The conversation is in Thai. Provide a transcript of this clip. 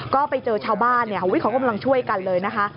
ก็ไปเจอชาวบ้านเขากำลังช่วยกันเลยนะคะ